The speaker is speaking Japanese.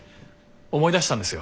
思い出したんですよ